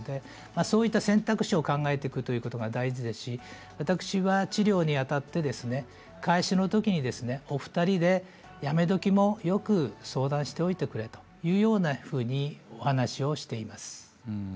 そういった選択肢を考えていくことが大事ですし私は治療にあたって開始のときに、お二人でやめ時もよく相談しておいてくれというようなふうにお話ししています。